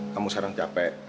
kamu sekarang capek